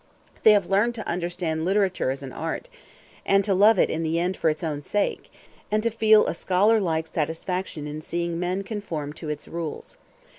They have learned to understand literature as an art, to love it in the end for its own sake, and to feel a scholar like satisfaction in seeing men conform to its rules.